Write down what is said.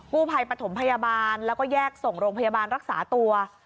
กู้ภัยปฐมพยาบาลแล้วก็แยกส่งโรงพยาบาลรักษาตัว